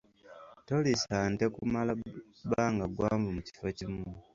Toliisa nte kumala bbanga ggwanvu mu kifo kimu.